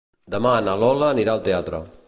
Demà na Lola anirà al teatre.